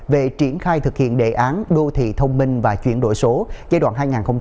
về triển khai thực hiện đề án đô thị thông minh và chuyển đổi số giai đoạn hai nghìn hai mươi một hai nghìn hai mươi năm